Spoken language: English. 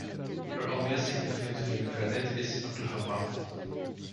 Her only significant film credit is Oklahoma!